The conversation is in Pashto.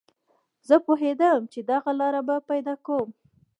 زه پوهېدم چې دغه لاره به پیدا کوم